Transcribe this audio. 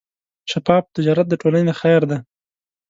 شفاف تجارت د ټولنې خیر دی.